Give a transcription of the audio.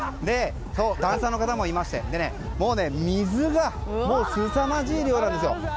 ダンサーの方もいまして水がすさまじい量なんです。